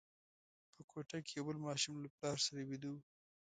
په کوټه کې یو بل ماشوم له پلار سره ویده وو.